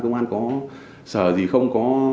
công an có sợ gì không